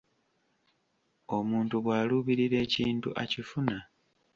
Omuntu bw’alubirira ekintu akifuna.